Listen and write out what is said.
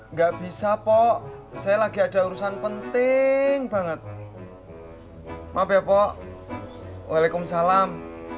nggak bisa pok saya lagi ada urusan penting banget maaf ya pok waalaikumsalam